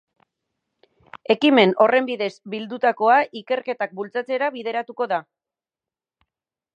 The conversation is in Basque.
Ekimen horren bidez bildutakoa ikerketak bultzatzera bideratuko da.